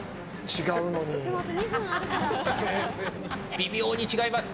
微妙に違います。